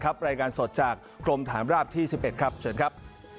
รายงานสดจากกรมฐานราบที่๑๑ครับเชิญครับ